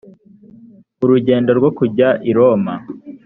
urugendo rwo kujya i roma